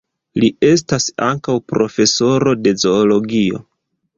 Li estas ankaŭ profesoro de zoologio.